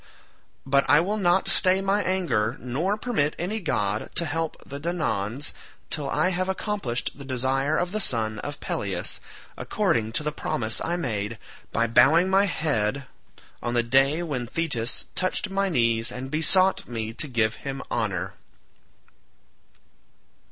But I will not stay my anger, nor permit any god to help the Danaans till I have accomplished the desire of the son of Peleus, according to the promise I made by bowing my head on the day when Thetis touched my knees and besought me to give him honour."